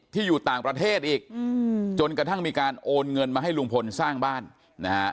อยู่ต่างประเทศอีกจนกระทั่งมีการโอนเงินมาให้ลุงพลสร้างบ้านนะฮะ